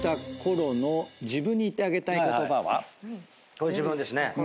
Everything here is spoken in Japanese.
これ自分ですね。